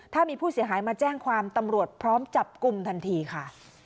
ถ้ามีผู้เสียหายมาแจ้งความตำรวจพร้อมจับกลุ่มทันทีค่ะ